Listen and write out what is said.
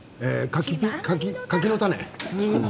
柿の種？